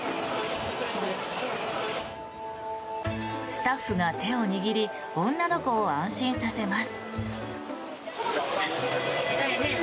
スタッフが手を握り女の子を安心させます。